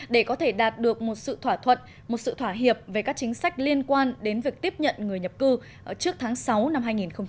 để có thể đạt được một sự thỏa thuận một sự thỏa hiệp về các chính sách liên quan đến việc tiếp nhận người nhập cư trước tháng sáu năm hai nghìn một mươi chín